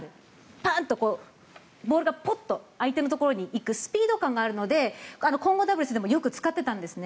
パンとボールがポッと相手のところに行くスピード感があるので混合ダブルスでも伊藤選手はよく使っていたんですね。